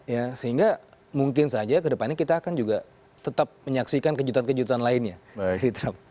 ya sehingga mungkin saja ke depannya kita akan juga tetap menyaksikan kejutan kejutan lainnya dari trump